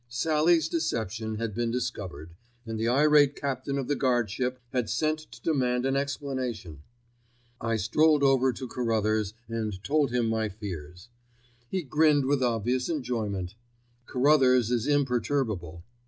Sallie's deception had been discovered, and the irate captain of the guardship had sent to demand an explanation. I strolled over to Carruthers and told him my fears. He grinned with obvious enjoyment. Carruthers is imperturbable.